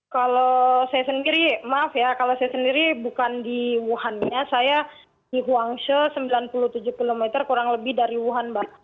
kalau saya sendiri maaf ya kalau saya sendiri bukan di wuhannya saya di huangse sembilan puluh tujuh km kurang lebih dari wuhan mbak